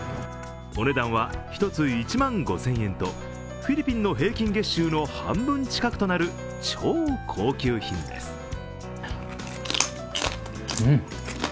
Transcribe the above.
お値段は１つ１万５０００円と、フィリピンの平均月収の半分近くとなる超高級品です。